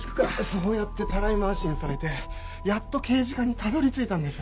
そうやってたらい回しにされてやっと刑事課にたどり着いたんです。